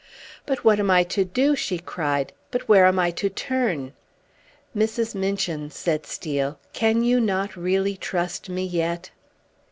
"But what am I to do?" she cried. "But where am I to turn?" "Mrs. Minchin," said Steel, "can you not really trust me yet?"